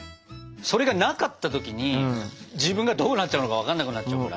それがなかった時に自分がどうなっちゃうのか分かんなくなっちゃうから。